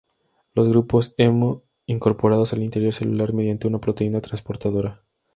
Los grupos hemo son incorporados al interior celular mediante una proteína transportadora.